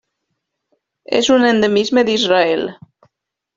És un endemisme d'Israel.